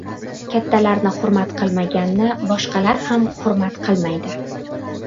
• Kattalarni hurmat qilmaganni boshqalar ham hurmat qilmaydi.